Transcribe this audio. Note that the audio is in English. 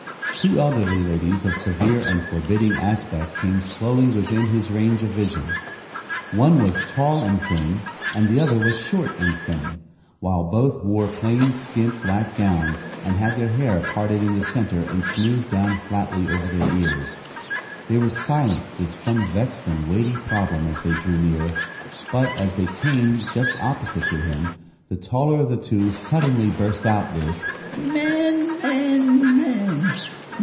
Two elderly ladies of severe and forbidding aspect came slowly within his range of vision. One was tall and thin and the other was short and thin, while both wore plain, skimp, black gowns and had their hair parted in the center and smoothed down flatly over their ears. They were silent with some vexed and weighty problem as they drew near, but, as they came just opposite to him, the taller of the two suddenly burst out with: "Men, men, men!